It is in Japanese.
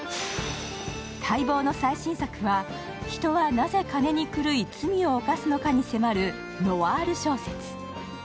待望の最新作は、人はなぜ、金に狂い、罪を犯すのかに迫るノワール小説。